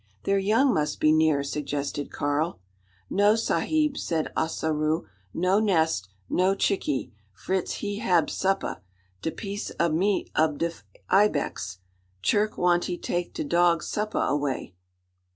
"Their young must be near?" suggested Karl. "No, sahib," said Ossaroo, "no nest no chickee. Fritz he hab suppa de piece ob meat ob da ibex. Churk wantee take de dog suppa away."